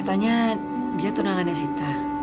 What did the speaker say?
katanya dia tunangannya sita